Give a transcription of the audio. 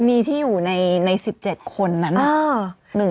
มีที่อยู่ใน๑๗คนนั้น